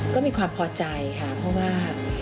ก็มีความพอใจค่ะเพราะว่า